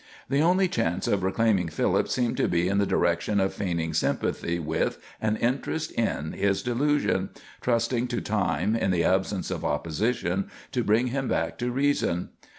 The only chance of reclaiming Philip seemed to be in the direction of feigning sympathy with and interest in his delusion, trusting to time, in the absence of opposition, to bring him back to reason.